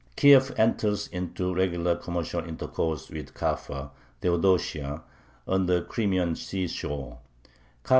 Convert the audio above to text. Kiev enters into regular commercial intercourse with Kaffa (Theodosia) on the Crimean sea shore.